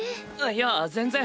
いや全然。